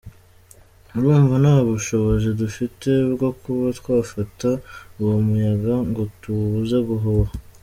Urumva, nta bushobozi dufite bwo kuba twafata uwo muyaga ngo tuwubuze guhuha.